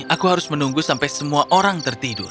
aku harus menunggu sampai semua orang tertidur